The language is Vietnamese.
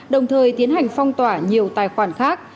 đồng thời tiến hành phong tỏa nhiều tài khoản khác